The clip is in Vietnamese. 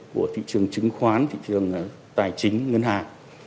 của thị trường chứng khoán thị trường tài chính ngân hàng